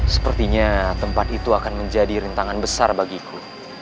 sepertinya tempat itu akan menjadi rintangan besar bagiku